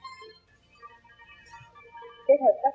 thay vì tạo tính như hiện nay